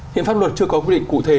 hiện pháp luật chưa có quyết định cụ thể